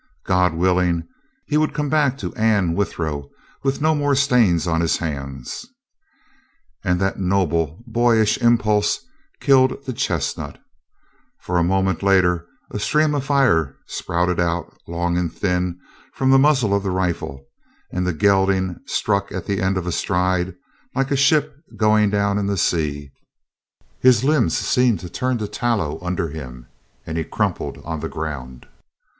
God willing, he would come back to Anne Withero with no more stains on his hands! And that noble, boyish impulse killed the chestnut, for a moment later a stream of fire spouted out, long and thin, from the muzzle of the rifle, and the gelding struck at the end of a stride, like a ship going down in the sea; his limbs seemed to turn to tallow under him, and he crumpled on the ground.